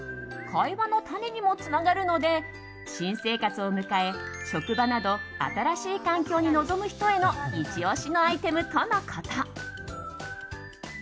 会話の種にもつながるので新生活を迎え職場など新しい環境に臨む人へのイチ押しのアイテムとのこと。